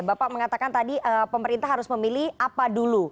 bapak mengatakan tadi pemerintah harus memilih apa dulu